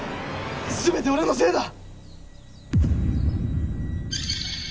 全て俺のせいだ！